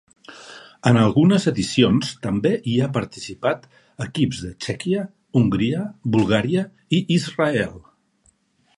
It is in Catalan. En algunes edicions també hi ha participat equips de Txèquia, Hongria, Bulgària i Israel.